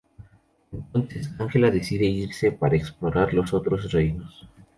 Entonces Angela decide irse para explorar los otros reinos.